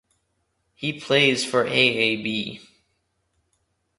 He plays for AaB.